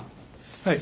はい。